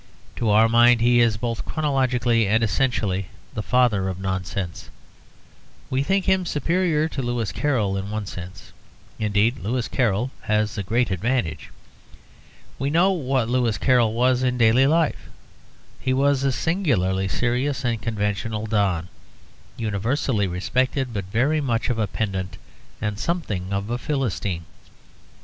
To our mind he is both chronologically and essentially the father of nonsense; we think him superior to Lewis Carroll. In one sense, indeed, Lewis Carroll has a great advantage. We know what Lewis Carroll was in daily life: he was a singularly serious and conventional don, universally respected, but very much of a pedant and something of a Philistine.